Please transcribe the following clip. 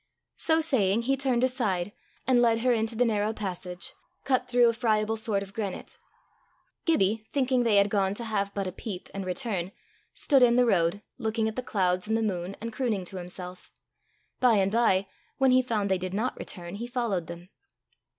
So saying, he turned aside, and led her into the narrow passage, cut through a friable sort of granite. Gibbie, thinking they had gone to have but a peep and return, stood in the road, looking at the clouds and the moon, and crooning to himself. By and by, when he found they did not return, he followed them.